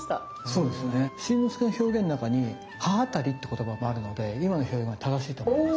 そうですね新之助の表現の中に歯当たりって言葉もあるので今の表現が正しいと思いますね。